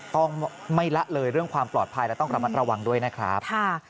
ต้องไม่ละเลยเรื่องความปลอดภัยและต้องระมัดระวังด้วยนะครับ